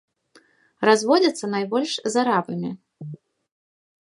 Разводзяцца найбольш з арабамі.